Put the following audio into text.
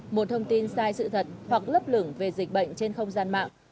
một thông tin sai sự thật hoặc lấp lửng về dịch bệnh trên không gian mạng